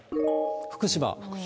福島。